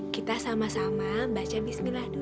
kita sama sama baca bismillah dulu